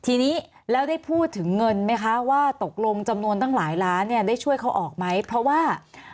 ทีนี้แล้วได้พูดถึงเงินไหมคะว่าตกลงจำนวนตั้งหลายล้านเนี่ยได้ช่วยเขาออกไหมเพราะว่า